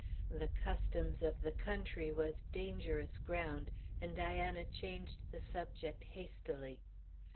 The customs of the country was dangerous ground, and Diana changed the subject hastily.